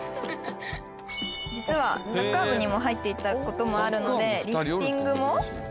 「実はサッカー部にも入っていたこともあるのでリフティングも」